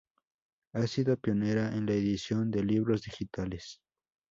Ha sido pionera en la edición de libros digitales.